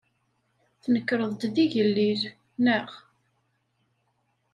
Tnekreḍ-d d igellil, naɣ?